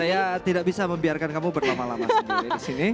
saya tidak bisa membiarkan kamu berlama lama sendiri disini